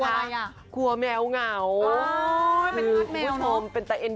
กลัวอะไรอ่ะกลัวแมวเหงาอ๋อคือคุณผู้ชมเป็นแต่